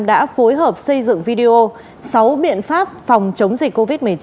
đã phối hợp xây dựng video sáu biện pháp phòng chống dịch covid một mươi chín